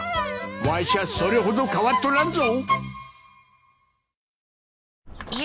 わしゃそれほど変わっとらんぞ！